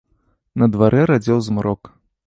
На дварэ радзеў змрок.